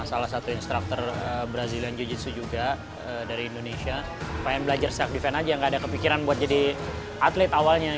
saya ingin belajar setiap event saja tidak ada kepikiran untuk menjadi atlet awalnya